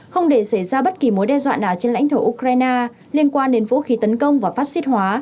không để xảy ra bất kỳ mối đe dọa nào trên lãnh thổ ukraine liên quan đến vũ khí tấn công và phát xít hóa